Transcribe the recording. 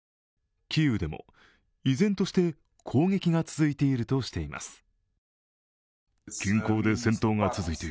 キーウでも依然として攻撃が続いているとしています。